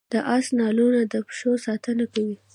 د اس نالونه د پښو ساتنه کوي